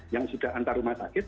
yang sudah antar rumah sakit